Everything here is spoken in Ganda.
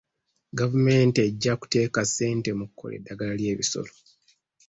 Gavumenti ejja kuteeka ssente mu kukola eddagala ly'ebisolo.